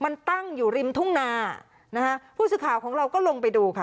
มันตั้งอยู่ริมทุ่งนานะฮะผู้สื่อข่าวของเราก็ลงไปดูค่ะ